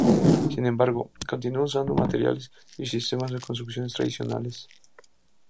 Sin embargo, continuó usando materiales y sistemas de construcción tradicionales.